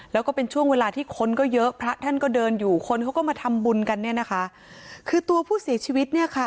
แล้วก็เป็นช่วงเวลาที่คนก็เยอะพระท่านก็เดินอยู่คนเขาก็มาทำบุญกันเนี่ยนะคะคือตัวผู้เสียชีวิตเนี่ยค่ะ